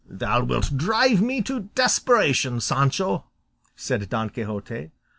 "Thou wilt drive me to desperation, Sancho," said Don Quixote.